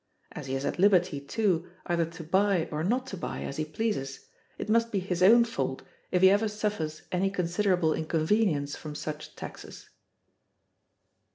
As he is at liberty, too, either to buy or not to buy, as he pleases, it must be his own fault if he ever suffers any considerable inconvenience from such taxes.